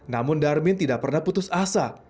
namun darmin tidak pernah putus asa